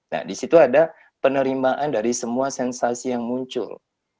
nah disitu ada penerimaan dari semua sensasi yang muncul